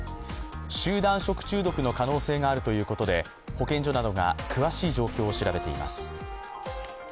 集団食中毒の可能性があるということで保健所などが詳しい状況を調べています。